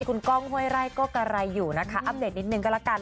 คุณก้องห้วยไร่ก็กะไรอยู่นะคะอัปเดตนิดนึงก็ละกัน